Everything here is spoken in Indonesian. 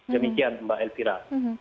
demikian mbak elvira